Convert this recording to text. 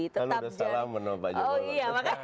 kalau sudah salah menolak pak jokowi